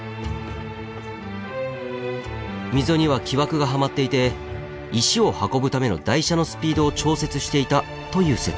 「溝には木枠がはまっていて石を運ぶための台車のスピードを調節していた」という説。